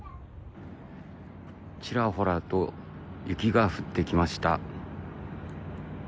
ちらほらと雪が降ってきました。